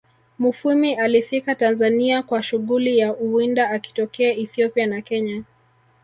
Mufwimi alifika Tanzania kwa shughuli ya uwinda akitokea Ethiopia na kenya